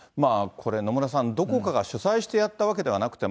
これ、野村さん、どこかが主催してやったわけではなくて、